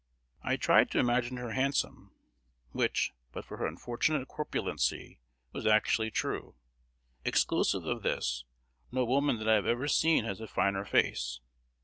I tried to imagine her handsome, which, but for her unfortunate corpulency, was actually true. Exclusive of this, no woman that I have ever seen has a finer face.